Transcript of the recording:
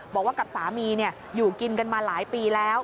บอกว่ากับสามีอยู่กินกันมาหลายปีแล้ว